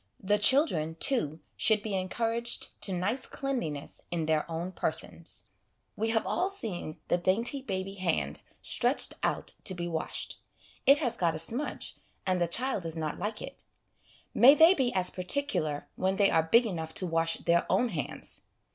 The children, too, should be encour aged to nice cleanliness in their own persons. We have all seen the dainty baby hand stretched out to be washed ; it has got a smudge, and the child does not like it. May they be as particular when they are big enough to wash their own hands!